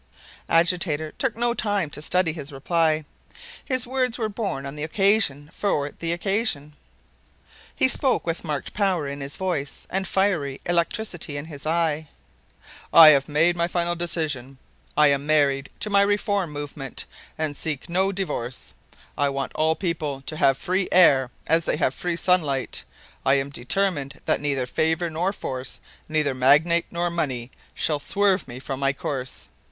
Agitator took no time to study his reply. His words were born on the occasion for the occasion. He spoke with marked power in his voice and fiery electricity in his eye: "I have made my final decision. I am married to my reform movement and seek no divorce. I want all people to have free air as they have free sunlight. I am determined that neither favor nor force, neither Magnate nor money, shall swerve me from my course.